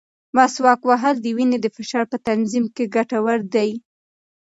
مسواک وهل د وینې د فشار په تنظیم کې ګټور دی.